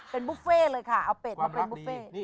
เป็นบุฟเฟ่เลยค่ะเอาเป็ดมาเป็นบุฟเฟ่